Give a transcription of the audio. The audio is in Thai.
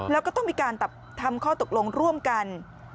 แล้วก็ต้องมีการทำข้อตกลงร่วมกัน